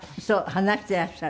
話してらっしゃる。